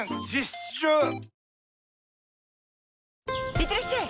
いってらっしゃい！